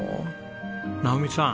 直美さん